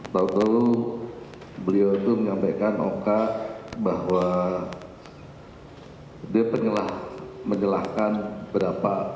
tau tau beliau itu menyampaikan oka bahwa dia menyalahkan berapa